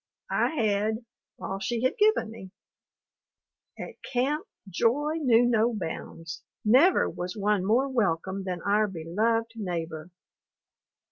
I had, all she had given me. At camp, joy knew no bounds. Never was one more welcome than our beloved neighbor.